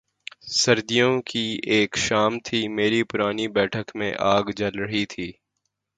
سردیوں کی ایک شام تھی، میری پرانی بیٹھک میں آگ جل رہی تھی۔